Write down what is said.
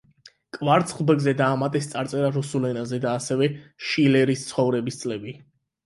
კვარცხლბეკზე დაამატეს წარწერა რუსულ ენაზე და ასევე შილერის ცხოვრების წლები.